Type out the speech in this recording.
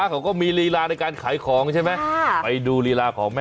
เขาก็มีลีลาในการขายของใช่ไหม